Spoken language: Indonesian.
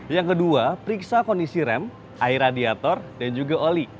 yang kedua periksa kondisi rem air radiator dan juga oli